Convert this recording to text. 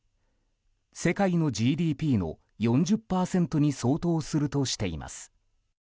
世界のＧＤＰの４０％に相当するとしています。